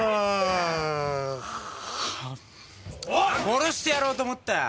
殺してやろうと思ったよ。